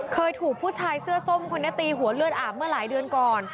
เคยถูกผู้ชายเสื้อส้มคนนี้ตีหัวเลือดอาบเมื่อหลายเดือนก่อน